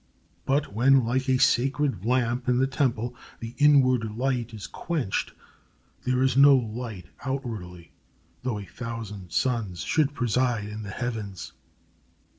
But when, like a sacred lamp in the temple, the inward light is quenched, there is no light outwardly, though a thousand suns should preside in the heavens.